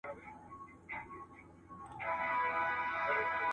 لکه یو ناول چې لوستونکی ورسره نه په تنګېږي